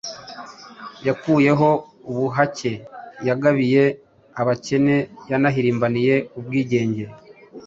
yakuyeho ubuhake, yagabiye abakene, yanahirimbaniye ubwigenge.